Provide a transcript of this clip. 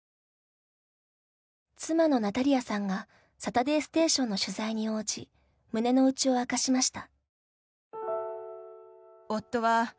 妻のナタリヤさんが「サタデーステーション」の取材に応じ胸の内を明かしました。